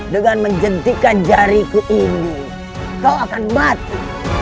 dengan menjentikan jariku ini kau akan mati